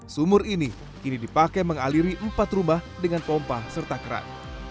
sumur ini kini dipakai mengaliri empat rumah dengan pompa serta keran